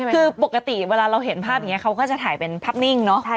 คือปกติเวลาเราเห็นภาพอย่างนี้เขาก็จะถ่ายเป็นภาพนิ่งเนอะ